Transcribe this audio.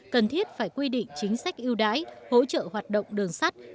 cần thiết phải quy định chính sách ưu đãi hỗ trợ hoạt động đường sắt